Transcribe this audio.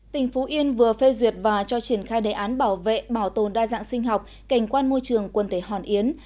tỉnh phú yên vừa phê duyệt và cho triển khai đề án bảo vệ bảo tồn đa dạng sinh học cảnh quan môi trường quần thể hòn yến